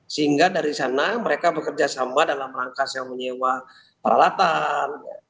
sehingga dari sana mereka bekerja sama dalam rangka saya menyewa peralatan